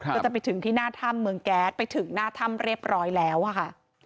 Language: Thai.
ก็จะไปถึงที่หน้าถ้ำเมืองแก๊สไปถึงหน้าถ้ำเรียบร้อยแล้วค่ะ